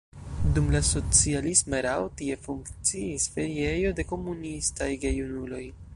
Dum la socialisma erao tie funkciis feriejo de "komunistaj" gejunuloj.